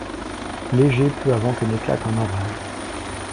Leger peu avant que n'éclate un orage.